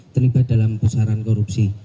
terlibat dalam pusaran korupsi